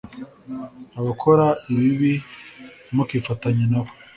abakora ibibi ntimukifatanye na bo.